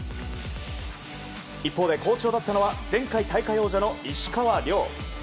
一方で好調だったのは前回、大会王者の石川遼。